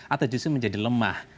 atau justru menjadi lemah